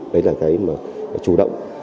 đấy là cái chủ động